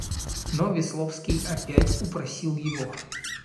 Но Весловский опять упросил его.